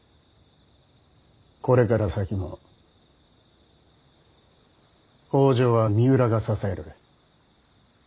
これから先も北条は三浦が支える。